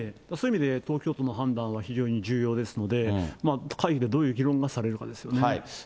そういう意味で、東京都の判断は非常に重要ですので、会議でどういう議論がされるかですよね。